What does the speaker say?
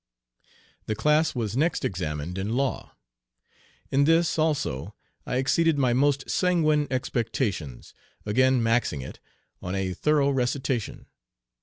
The class was next examined in law. In this, also, I exceeded my most sanguine expectations, again "maxing it" on a thorough recitation.